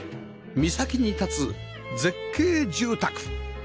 岬に立つ絶景住宅